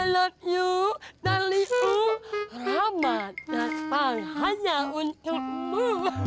i love you dan liku ramah dan bang hanya untukmu